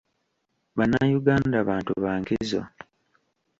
Bannayuganda bantu ba nkizo.